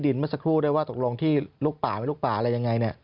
เมื่อสักครู่ได้ว่าตกลงที่ลูกป่าไม่ลุกป่าอะไรยังไงเนี่ย